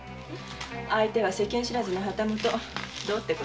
相手は世間知らずの旗本どうってことないさ。